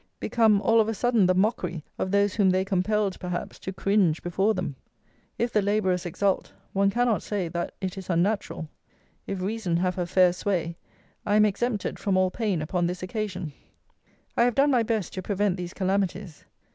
Become all of a sudden the mockery of those whom they compelled, perhaps, to cringe before them! If the Labourers exult, one cannot say that it is unnatural. If Reason have her fair sway, I am exempted from all pain upon this occasion. I have done my best to prevent these calamities.